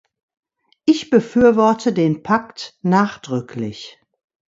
Ich befürworte den Pakt nachdrücklich.